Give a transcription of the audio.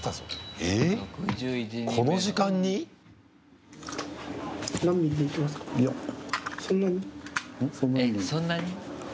えっ、そんなに？